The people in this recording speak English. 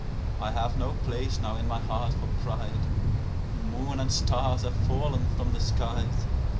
I have no place now in my heart for pride. (The moon and stars have fallen from the skies.)